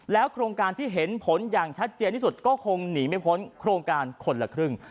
โครงการที่เห็นผลอย่างชัดเจนที่สุดก็คงหนีไม่พ้นโครงการคนละครึ่ง